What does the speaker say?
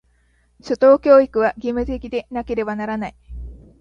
初等教育は、義務的でなければならない。